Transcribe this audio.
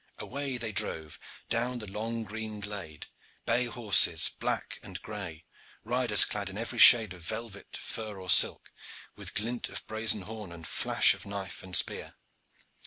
Away they drove down the long green glade bay horses, black and gray, riders clad in every shade of velvet, fur, or silk, with glint of brazen horn and flash of knife and spear.